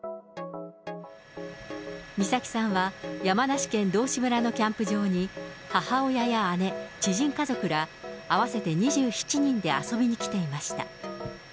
美咲さんは山梨県道志村のキャンプ場に、母親や姉、知人家族ら合わせて２７人で遊びに来ていました。